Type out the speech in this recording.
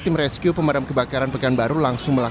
tim rescue pemadam kebakaran pekanbaru langsung melakukan